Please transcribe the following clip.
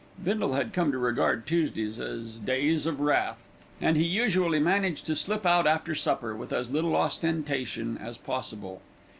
Bindle had come to regard Tuesdays as days of wrath, and he usually managed to slip out after supper with as little ostentation as possible.